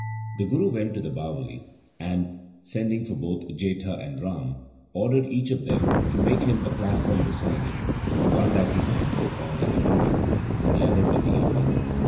The Guru went to the Bawali, and, sending for both Jetha and Rama, ordered each of them to make him a platform beside it, one that he might sit on in the morning, and the other in the evening.